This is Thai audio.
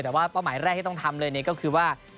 แต่ว่าเป้าหมายแรกที่ต้องทำเลยก็คือว่า